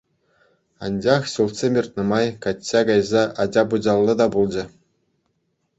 Анчах ҫулсем иртнӗ май качча кайса ача-пӑчаллӑ та пулчӗ.